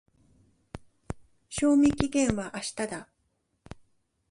賞味期限は明日だ。